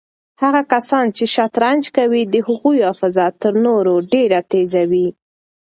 هغه کسان چې شطرنج کوي د هغوی حافظه تر نورو ډېره تېزه وي.